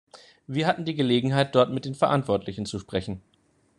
Wir hatten die Gelegenheit, dort mit den Verantwortlichen zu sprechen.